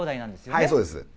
はいそうです。